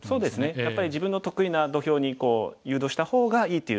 やっぱり自分の得意な土俵に誘導した方がいいっていう